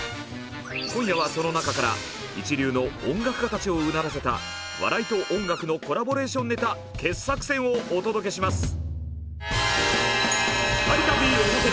今夜はその中から一流の音楽家たちをうならせた笑いと音楽のコラボレーションネタ傑作選をお届けします。